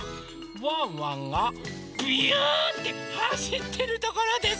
ワンワンがびゅってはしってるところです！